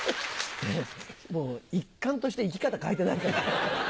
もう一貫として生き方変えてないから。